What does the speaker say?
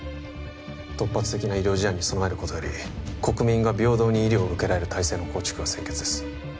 突発的な医療事案に備えることより国民が平等に医療を受けられる体制の構築が先決です